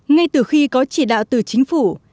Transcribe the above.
ngay từ khi có chỉ đạo từ chính phủ